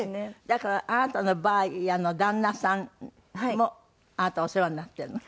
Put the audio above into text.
だからあなたのばあやの旦那さんもあなたお世話になってるの？